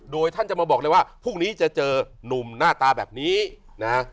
โดยท่านจะมาบอกเลยว่าพรุ่งนี้จะเจอนุ่มหน้าตาแบบนี้นะ